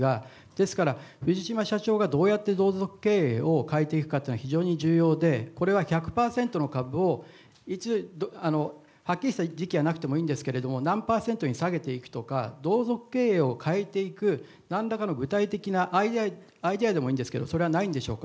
ですから、藤島社長がどうやって同族経営をかえていくかというのは非常に重要で、これは１００％の株をいつ、はっきりした時期じゃなくてもいいんですけれども、何％に下げていくとか、同族経営を変えていく、なんらかの具体的なアイデアでもいいんですけど、それはないんでしょうか。